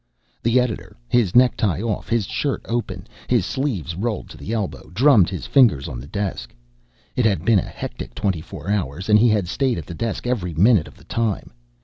The editor, his necktie off, his shirt open, his sleeves rolled to the elbow, drummed his fingers on the desk. It had been a hectic twenty four hours and he had stayed at the desk every minute of the time.